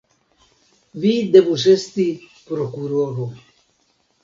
Vi devus esti prokuroro!